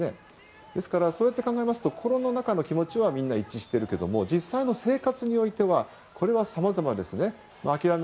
ですから、そうやって考えますと心の中の気持ちはみんな一致しているけど実際の生活においてはさまざまですね。